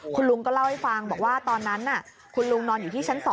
คุณลุงก็เล่าให้ฟังบอกว่าตอนนั้นคุณลุงนอนอยู่ที่ชั้น๒